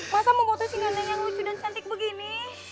masa mau putusin ya neng yang lucu dan cantik begini